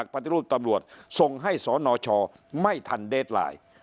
ปฏิรูปตำรวจส่งให้สนชไม่ทันเดสไลน์